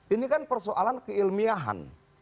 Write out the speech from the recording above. ini kan persoalan keilmiahan